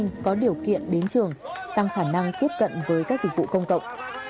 công trình sẽ tạo điều kiện đến trường tăng khả năng tiếp cận với các dịch vụ công cộng